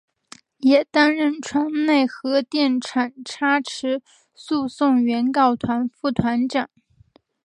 也担任川内核电厂差止诉讼原告团副团长。